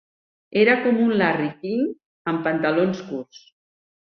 Era com un Larry King amb pantalons curts.